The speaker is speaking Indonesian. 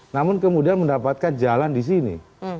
namun kemudian mendapatkan jalan di sini